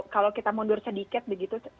kalau kita mundur sedikit